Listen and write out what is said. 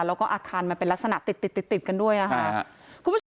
แล้วก็อาคารมันเป็นลักษณะติดกันด้วยค่ะ